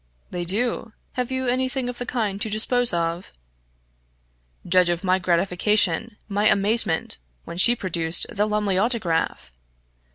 "They do have you any thing of the kind to dispose of?" Judge of my gratification, my amazement, when she produced the Lumley Autograph!